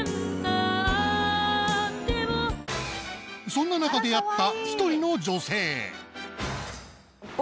そんな中出会った１人の女性。